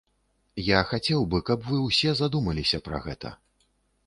Я хацеў бы, каб усе вы задумаліся пра гэта.